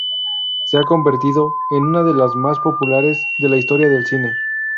Se ha convertido en una de las más populares de la historia del cine.